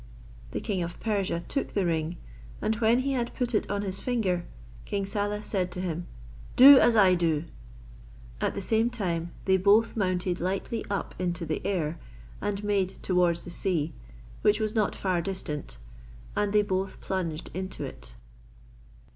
The king of Persia took the ring, and when he had put it on his finger, King Saleh said to him, "Do as I do." At the same time they both mounted lightly up into the air, and made towards the sea, which was not far distant, and they both plunged into it.